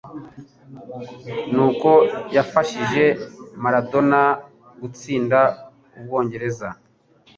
n'uko yafashije Maradona gutsinda Ubwongereza